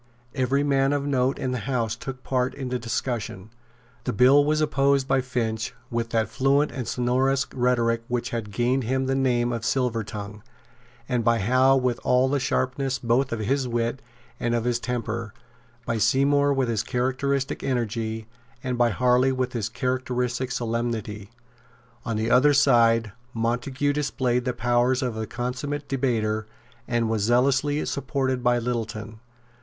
Every man of note in the House took part in the discussion. The bill was opposed by Finch with that fluent and sonorous rhetoric which had gained him the name of Silvertongue, and by Howe with all the sharpness both of his wit and of his temper, by Seymour with characteristic energy, and by Harley with characteristic solemnity. On the other side Montague displayed the powers of a consummate debater, and was zealously supported by Littleton.